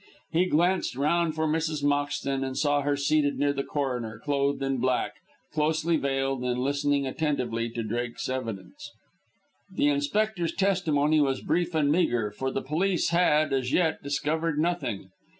He glanced round for Mrs. Moxton, and saw her seated near the coroner, clothed in black, closely veiled, and listening attentively to Drake's evidence. The inspector's testimony was brief and meagre, for the police had, as yet, discovered nothing.